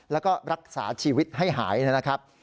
แล้วก็รักษาชีวิตให้หายนะครับ